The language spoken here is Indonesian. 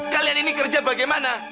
kalian ini kerja bagaimana